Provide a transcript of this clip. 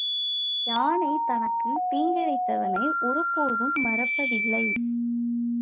யானை தனக்குத் தீங்கிழைத்தவனை ஒரு போதும் மறப்பதில்லை.